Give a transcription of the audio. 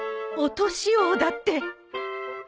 「おとし王」だって！